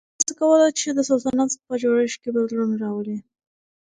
ځینو سیاسی څېرو هڅه کوله چې د سلطنت په جوړښت کې بدلون راولي.